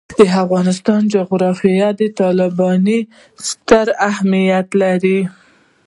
د افغانستان جغرافیه کې تالابونه ستر اهمیت لري.